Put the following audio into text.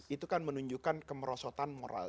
itu kan menunjukkan kemerosotan moral